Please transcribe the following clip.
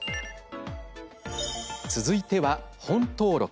続いては本登録。